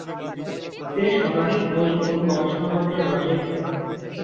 তিনি শতাধিক বই এবং গবেষণাপত্রের রচয়িতা।